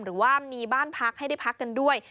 หรือว่ามีบ้านพักให้ได้พักกันด้วย